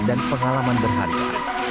dan pengalaman berharga